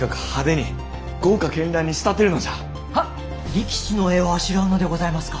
力士の絵をあしらうのでございますか！？